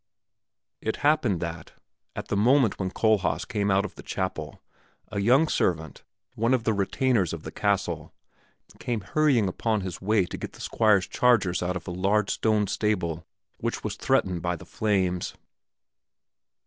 It happened that, at the moment when Kohlhaas came out of the chapel, a young servant, one of the retainers of the castle, came hurrying upon his way to get the Squire's chargers out of a large stone stable which was threatened by the flames.